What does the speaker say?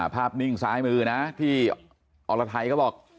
นิ่งซ้ายมือนะที่อรไทยก็บอก